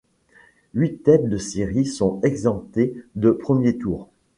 Huit têtes de série sont exemptées de premier tour.